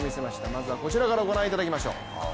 まずはこちらからご覧いただきましょう。